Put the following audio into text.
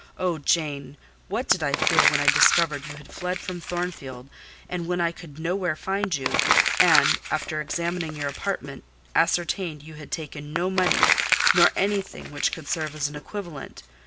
Oh, Jane, what did I feel when I discovered you had fled from Thornfield, and when I could nowhere find you; and, after examining your apartment, ascertained that you had taken no money, nor anything which could serve as an equivalent!